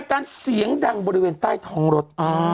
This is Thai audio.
ก็บริเวณใต้ทองรถ